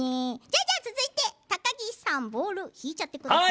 じゃあ、続いて高岸さんボールを引いちゃってください。